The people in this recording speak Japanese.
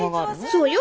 そうよ。